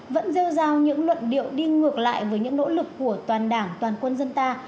vẫn rêu rao những luận điệu đi ngược lại với những nỗ lực của toàn đảng toàn quân dân ta